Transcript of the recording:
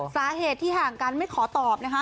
สาเหตุที่ห่างกันไม่ขอตอบนะคะ